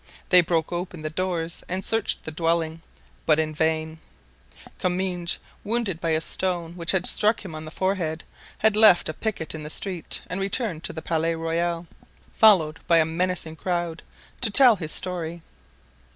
They broke open the doors and searched the dwelling, but in vain. Comminges, wounded by a stone which had struck him on the forehead, had left a picket in the street and returned to the Palais Royal, followed by a menacing crowd, to tell his story.